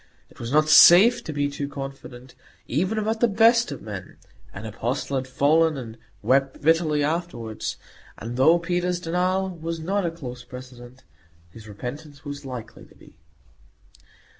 It was not safe to be too confident, even about the best of men; an apostle had fallen, and wept bitterly afterwards; and though Peter's denial was not a close precedent, his repentance was likely to be.